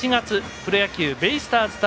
プロ野球ベイスターズ対